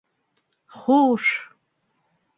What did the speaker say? — Хуш!